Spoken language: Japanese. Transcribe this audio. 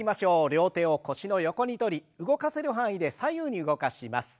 両手を腰の横にとり動かせる範囲で左右に動かします。